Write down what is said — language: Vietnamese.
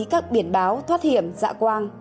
các biển báo thoát hiểm dạ quang